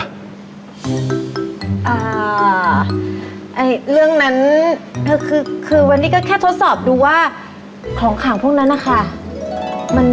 เรื่องนั้นคือคือวันนี้ก็แค่ทดสอบดูว่าของขังพวกนั้นนะคะ